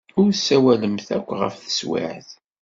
Ur ssawalemt akk ɣef teswiɛt.